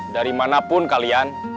dari manapun kalian